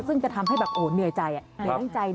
ซึ่งจะทำให้เหนื่อยใจ